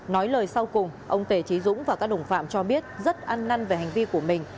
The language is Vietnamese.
nói lời sau cùng ông tề trí dũng và các đồng phạm cho biết rất ăn năn về hành vi của mình